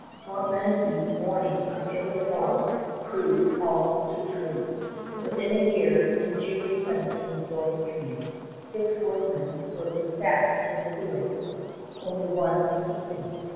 Montmagny's warning of Iroquois proved all too true. Within a year, in June, 1743, six workmen were beset in the fields, only one escaping.